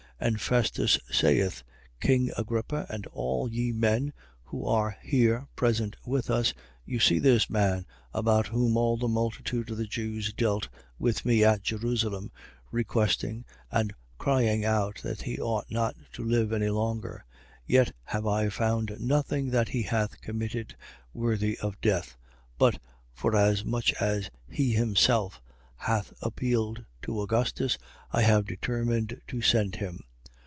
25:24. And Festus saith: King Agrippa and all ye men who are here present with us, you see this man, about whom all the multitude of the Jews dealt with me at Jerusalem, requesting and crying out that he ought not to live any longer. 25:25. Yet have I found nothing that he hath committed worthy of death. But forasmuch as he himself hath appealed to Augustus, I have determined to send him.